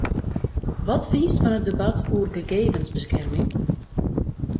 Wat fynst fan it debat oer gegevensbeskerming?